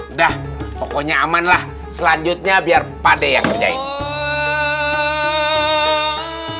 udah pokoknya amanlah selanjutnya biar pakde yang kerjain